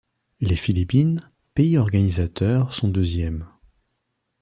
Les Philippines, pays organisateur, sont deuxième.